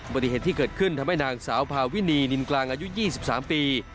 ปฏิเหตุที่เกิดขึ้นทำให้นางสาวพาวินีนินกลางอายุ๒๓ปี